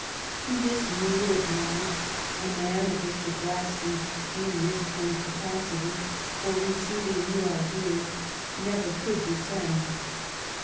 To this mood of mind a man of Mr. Gladstone's genius and capacity for receiving new ideas never could descend.